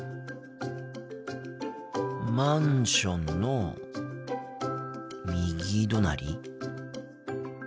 マンションの右隣？